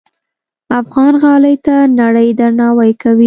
افغان غالۍ ته نړۍ درناوی کوي.